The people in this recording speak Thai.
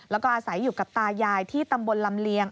แล้วก็อาศัยอยู่กับตายายที่ตำบลลำเลียง